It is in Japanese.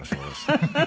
フフフフ！